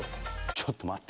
ちょっと待って。